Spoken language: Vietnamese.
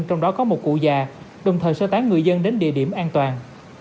trong đó có một cụ già đồng thời sơ tán người dân đến địa điểm an toàn